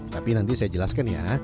tapi nanti saya jelaskan ya